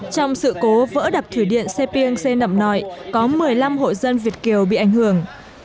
trong sự cố vỡ đập thủy điện xe piêng xe nậm nòi có một mươi năm hộ dân việt kiều bị ảnh hưởng